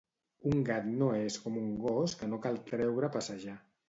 Un gat no és com un gos que no cal treure a passejar.